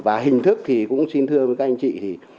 và hình thức thì cũng xin thưa các anh chị thì